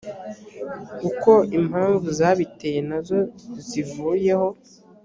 uko impamvu zabiteye nazo zivuyeho